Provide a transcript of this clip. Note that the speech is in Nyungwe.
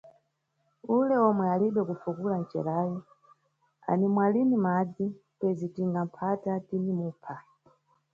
Ule yomwe alibe kufukula ncerayu animwa lini madzi, pezi tinga phata, tini mupha.